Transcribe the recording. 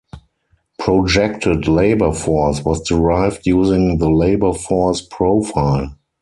Projected labor Force was derived using the Labor Force Profile.